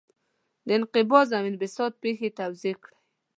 د انقباض او انبساط پېښې توضیح کړئ.